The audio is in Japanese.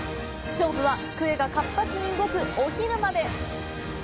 勝負は、クエが活発に動くお昼まで！